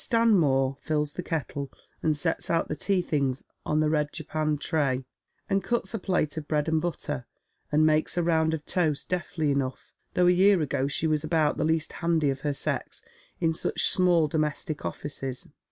Stanmore fills the kettle, and sets out the tea things on the red japanned tray, and cuts a plate of bread and butter, and makes a round of toast deftly enough, though a year ago she was about the least handy of her sex in such small domestic offices.